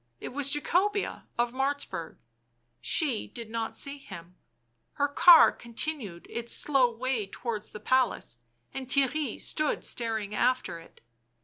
It was Jacobea of Martzburg. She did not see him ; her car continued its slow way towards the palace, and Theirry stood staring after it.